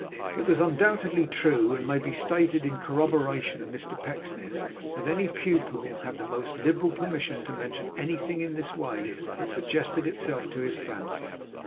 It was undoubtedly true, and may be stated in corroboration of Mr Pecksniff, that any pupil had the most liberal permission to mention anything in this way that suggested itself to his fancy.